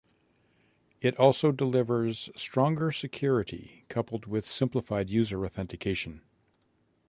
It also delivers stronger security coupled with simplified user authentication.